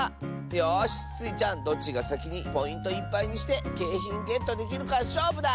よしスイちゃんどっちがさきにポイントいっぱいにしてけいひんゲットできるかしょうぶだ！